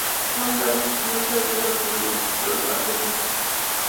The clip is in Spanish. Camp David no está abierto al público, pero el parque sí.